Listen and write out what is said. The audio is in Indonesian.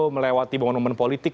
melewati pemenuh politik